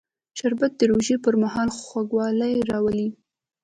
شربت د روژې پر مهال خوږوالی راولي